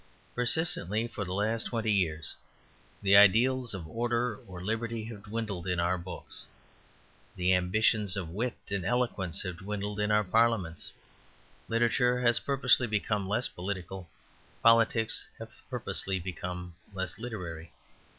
Persistently for the last twenty years the ideals of order or liberty have dwindled in our books; the ambitions of wit and eloquence have dwindled in our parliaments. Literature has purposely become less political; politics have purposely become less literary.